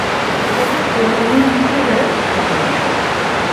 এটাকে প্রলোভন হিসেবে ভাববে না।